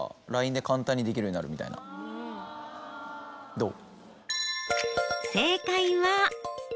どう？